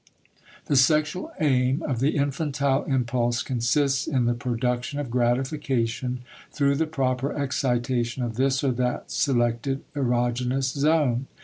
* The sexual aim of the infantile impulse consists in the production of gratification through the proper excitation of this or that selected erogenous zone.